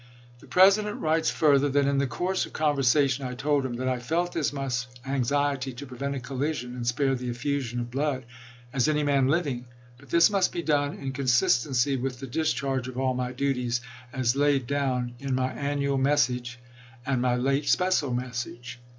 The President writes further that "in the course of conversation I told him that I felt as much anx iety to prevent a collision and spare the effusion of blood as any man living ; but this must be done in consistency with the discharge of all my duties as laid down in my annual message and my late special message."